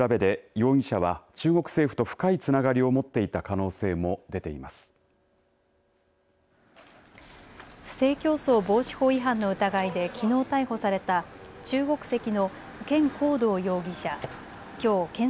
警視庁の調べで容疑者は中国政府と深いつながりを持っていた不正競争防止法違反の疑いできのう、逮捕された中国籍の権恒道容疑者。